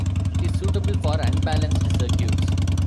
It is suitable for unbalanced circuits.